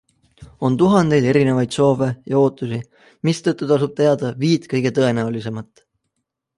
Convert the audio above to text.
On tuhandeid erinevaid soove ja ootusi, mistõttu tasub teada viit kõige tõenäolisemat.